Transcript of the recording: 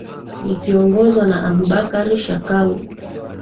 likiongozwa na abubakar shakau